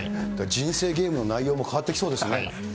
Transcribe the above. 人生ゲームの内容も変わってきそうですね。